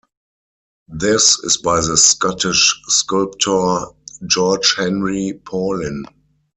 This is by the Scottish sculptor George Henry Paulin.